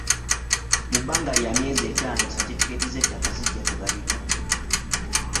Mu bbanga lya myezi etaano satifikeeti z'ettaka zijja kugabibwa.